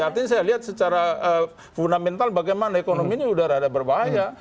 artinya saya lihat secara fundamental bagaimana ekonomi ini udah rada berbahaya